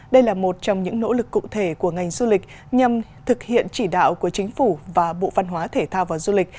đây là một trong những nỗ lực cụ thể của ngành du lịch nhằm thực hiện chỉ đạo của chính phủ và bộ văn hóa thể thao và du lịch